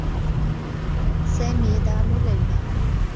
سامي يدعم ليلى.